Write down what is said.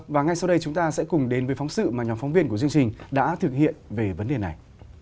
và ngay sau đây chúng ta sẽ cùng đến với phóng sự mà nhóm phóng viên của chương trình đã thực hiện về vấn đề này